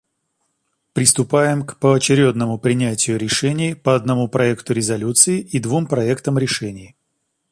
Приступаем к поочередному принятию решений по одному проекту резолюции и двум проектам решений.